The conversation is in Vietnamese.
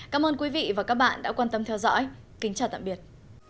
cảm ơn quý vị và các bạn đã quan tâm theo dõi kính chào tạm biệt